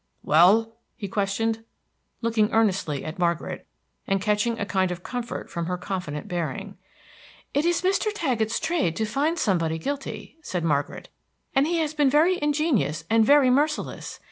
"Well?" he questioned, looking earnestly at Margaret, and catching a kind of comfort from her confident bearing. "It is Mr. Taggett's trade to find somebody guilty," said Margaret, "and he has been very ingenious and very merciless.